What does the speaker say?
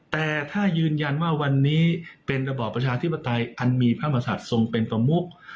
แต่ถ้ายืนยันว่าวันนี้เป็นระบอบประชาธิปไตยอันนี้พมสัตว์ส่งเป็นมะบุ๊ก